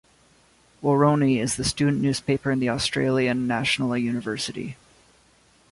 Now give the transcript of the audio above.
"Woroni" is the student newspaper of the Australian National University.